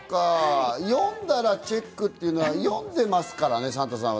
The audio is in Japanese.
読んだらチェックというのは読んでますからね、サンタさんは。